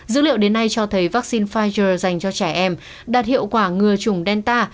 dữ liệu đến nay cho thấy vaccine pfizer dành cho trẻ em đạt hiệu quả ngừa chủng delta